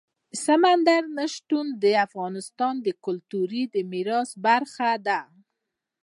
سمندر نه شتون د افغانستان د کلتوري میراث برخه ده.